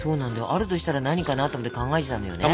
あるとしたら何かなと思って考えてたんだよね。